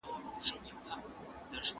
د توري ټپ جوړېږي، د ژبي ټپ نه جوړېږي.